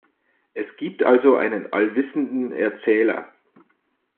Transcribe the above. Es gibt also einen allwissenden Erzähler.